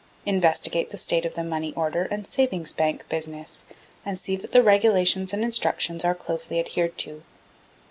Investigate the state of the Money Order and Savings Bank business, and see that the regulations and instructions are closely adhered to.